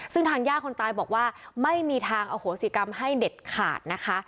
ซึ่งทางย่าคนตายบอกว่าไม่มีทางอโหสิกรรมให้เด็ดขาดนะคะ